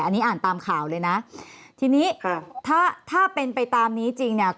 อันนี้อ่านตามข่าวเลยนะทีนี้ถ้าถ้าเป็นไปตามนี้จริงเนี่ย